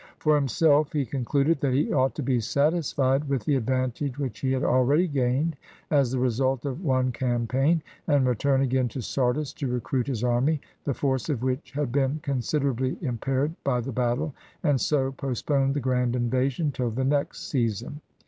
For himself, he con cluded that he ought to be satisfied with the advantage which he had already gained, as the result of one cam paign, and return again to Sardis to recruit his army, the force of which had been considerably impaired by the battle, and so postpone the grand invasion till the next season.